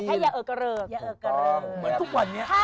แต่แค่อย่าเออกระเริก